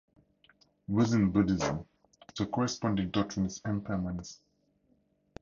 Within Buddhism, the corresponding doctrine is impermanence.